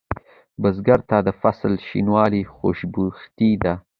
بزګر ته د فصل شینوالی خوشبختي ده